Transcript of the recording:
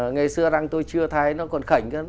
ngày xưa răng tôi chưa thấy nó còn khảnh